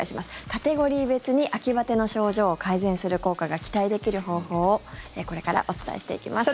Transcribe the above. カテゴリー別に秋バテの症状を改善する効果が期待できる方法をこれからお伝えしていきます。